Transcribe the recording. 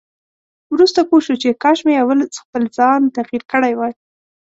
وروسته پوه شو چې کاش مې اول خپل ځان تغيير کړی وای.